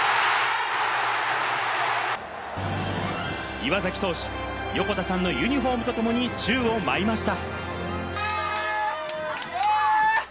岩崎投手、横田さんのユニホームとともに、宙を舞いました。